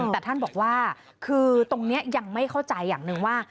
แต่ท่านบอกว่าคือตรงนี้ยังไม่เข้าใจอย่างหนึ่งว่า